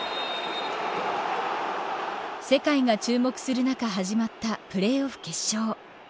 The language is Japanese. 世界が注目する中始まった、プレーオフ決勝。